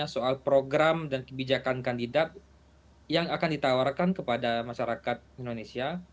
soal program dan kebijakan kandidat yang akan ditawarkan kepada masyarakat indonesia